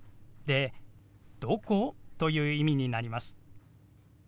で「どこ？」という意味になります。